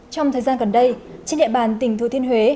trong thời gian gần đây trên địa bàn tỉnh thừa thiên huế